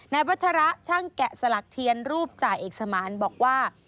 นายพระชะระช่างแกะสลักเทียนรูปจ่ายเอกสมาร์นบอกว่า